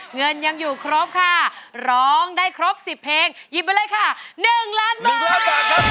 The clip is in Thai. เงินยังอยู่ครบค่ะร้องได้ครบ๑๐เพลงหยิบไปเลยค่ะ๑ล้านบาทครับ